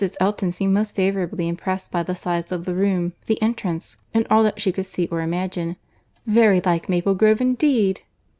Elton seemed most favourably impressed by the size of the room, the entrance, and all that she could see or imagine. "Very like Maple Grove indeed!